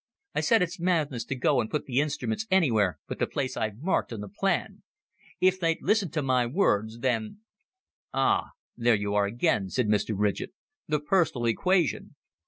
I said it's madness to go and put the instruments anywhere but the place I've marked on the plan. If they'd listened to my words then " "Ah, there you are again," said Mr. Ridgett. "The personal equation!"